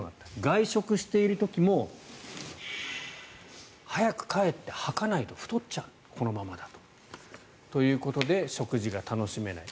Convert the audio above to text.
外食している時も早く帰って吐かないと太っちゃうこのままだとということで食事が楽しめない。